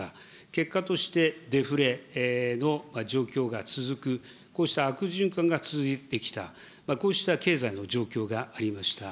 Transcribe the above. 結果として、デフレの状況が続く、こうした悪循環が続いてきた、こうした経済の状況がありました。